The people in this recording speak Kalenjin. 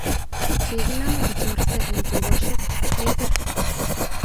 Kikinam ko chorse en tukoshek kebir